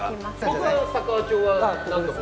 僕は佐川町は何度も。